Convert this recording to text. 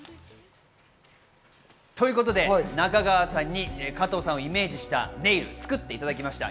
中川さんに加藤さんをイメージしたネイルを作っていただきました。